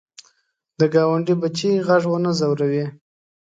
د ګاونډي بچي غږ ونه ځوروې